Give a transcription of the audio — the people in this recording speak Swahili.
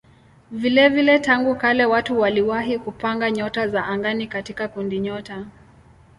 Vilevile tangu kale watu waliwahi kupanga nyota za angani katika kundinyota.